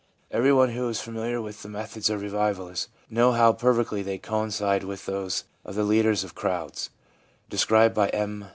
Everyone who is familiar with the methods of revivalists knows how perfectly they coincide with those of the ' leaders of crowds ' described by M.